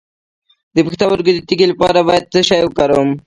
د پښتورګو د تیږې لپاره باید څه شی وکاروم؟